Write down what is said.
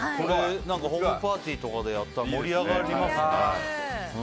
ホームパーティーとかでやったら盛り上がりますね。